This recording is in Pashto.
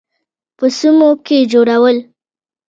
په سیمو کې جوړول.